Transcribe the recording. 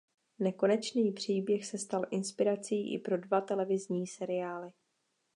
Nekonečný příběh se stal inspirací i pro dva televizní seriály.